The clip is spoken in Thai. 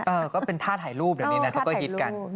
เออก็เป็นท่าถ่ายรูปเดี๋ยวนี้นะเขาก็ฮิตกัน